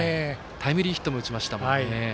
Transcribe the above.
タイムリーヒットも打ちました。